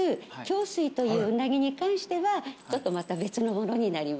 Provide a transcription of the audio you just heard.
共水というウナギに関してはちょっとまた別のものになりますね。